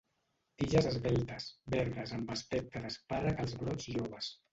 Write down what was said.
Tiges esveltes, verdes amb aspecte d'espàrrec als brots joves.